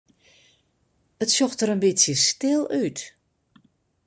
It sjocht der in bytsje stil út.